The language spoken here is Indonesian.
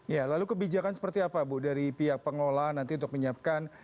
ya lalu kebijakan seperti apa bu dari pihak pengelola nanti untuk menyiapkan